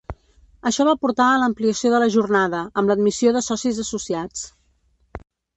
Això va portar a l'ampliació de la jornada, amb l'admissió de socis associats.